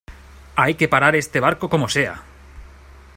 ¡ hay que parar este barco como sea!